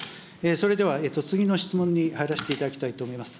それでは次の質問に入らせていただきたいと思います。